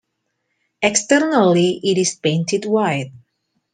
Externally it is painted white.